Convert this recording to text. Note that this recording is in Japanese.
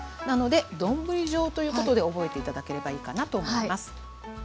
なので丼状ということで覚えて頂ければいいかなと思います。